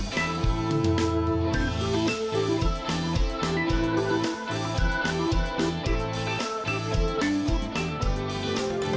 โปรดติดตามตอนต่อไป